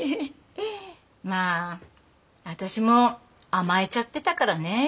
まあ私も甘えちゃってたからね静には。